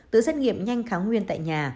tự xét nghiệm nhanh kháng nguyên tại nhà